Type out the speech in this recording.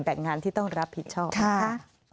แต่งงานที่ต้องรับผิดชอบนะคะ